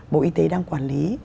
bộ y tế đang quản lý